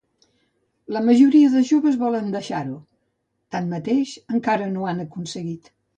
La majoria de joves volen deixar-ho, tanmateix, encara no ho han aconseguit.